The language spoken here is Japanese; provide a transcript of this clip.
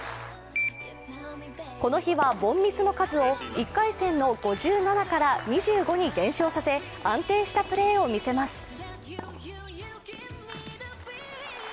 この日は凡ミスの数を１回戦の５７から２５に減少させ安定したプレーを見せます。